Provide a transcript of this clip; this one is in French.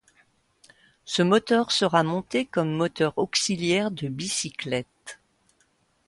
Ce moteur sera monté comme moteur auxiliaire de bicyclette.